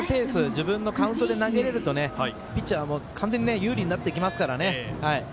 自分のカウントで投げられるとピッチャー、完全に有利になってきますからね。